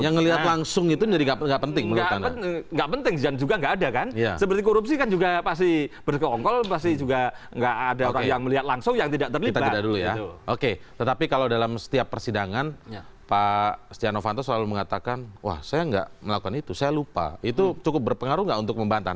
yang melihat langsung itu jadi tidak penting menurut anda